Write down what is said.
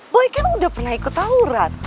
boy kan udah pernah ikut tauran